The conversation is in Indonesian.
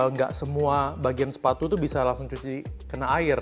nggak semua bagian sepatu itu bisa langsung cuci kena air